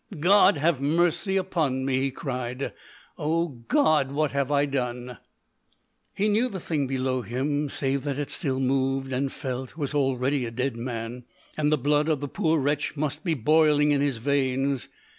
"God have mercy upon me!" he cried. "O God! what have I done?" He knew the thing below him, save that it still moved and felt, was already a dead man that the blood of the poor wretch must be boiling in his veins.